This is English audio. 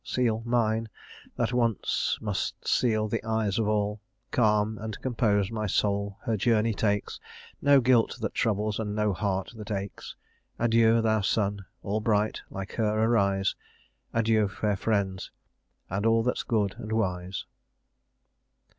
Seal mine, that once must seal the eyes of all. Calm and composed my soul her journey takes; No guilt that troubles, and no heart that aches. Adieu, thou sun! all bright, like her, arise! Adieu, fair friends, and all that's good and wise!"